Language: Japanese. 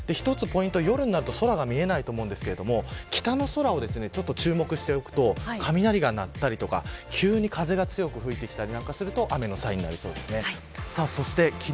夜になると空が見えないと思いますが北の空を注目しておくと雷が鳴ったり急に風が強く吹いてきたりすると雨のサインになりそうです。